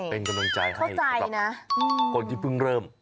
เป็นกำลังใจให้นะคนที่เพิ่งเริ่ม